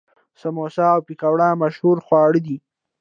سموسه او پکوړه مشهور خواړه دي.